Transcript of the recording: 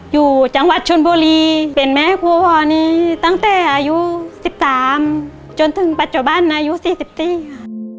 อยู่จังหวัดชนบุรีเป็นแม่ครัวนี้ตั้งแต่อายุ๑๓จนถึงปัจจุบันอายุ๔๔ค่ะ